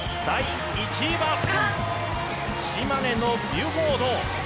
第１位は、島根のビュフォード。